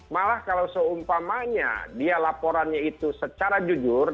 malah kalau seumpamanya dia laporannya itu secara jujur